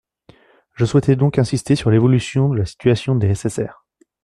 Je souhaitais donc insister sur l’évolution de la situation des SSR.